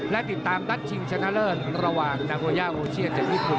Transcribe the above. และติดตามนัดชิงชนะเลิศระหว่างนาโกย่าโอเชียนจากญี่ปุ่น